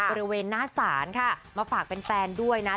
บริเวณหน้าศาลค่ะมาฝากเป็นแฟนด้วยนะ